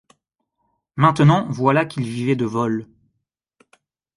Maintenant, voilà qu’il vivait de vols!